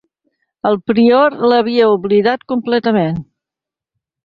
El prior l'havia oblidat completament.